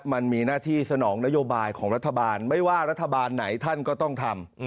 มันมีหน้าที่สนองนโยบายของรัฐบาลไม่ว่ารัฐบาลไหนท่านก็ต้องทำ